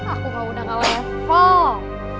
aku gak udah ngawal lepas